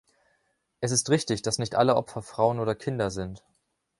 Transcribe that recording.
Es ist richtig, dass nicht alle Opfer Frauen oder Kinder sind.